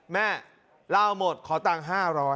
แม่เล่าหมดขอตังค์๕๐๐